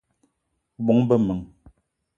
O bóng-be m'men